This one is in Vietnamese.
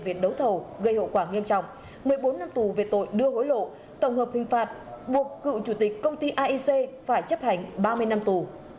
viện đấu thầu gây hậu quả nghiêm trọng một mươi bốn năm tù về tội đưa hối lộ tổng hợp hình phạt buộc cựu chủ tịch công ty aic phải chấp hành ba mươi năm tù